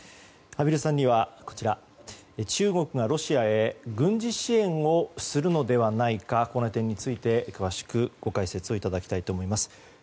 畔蒜さんには中国がロシアへ軍事支援をするのではないかこの点について詳しくご解説いただきたいと思います。